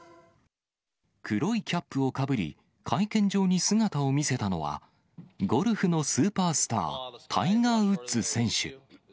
黒いキャップをかぶり、会見場に姿を見せたのは、ゴルフのスーパースター、タイガー・ウッズ選手。